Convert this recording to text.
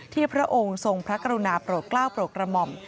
พระองค์ทรงพระกรุณาโปรดกล้าวโปรดกระหม่อม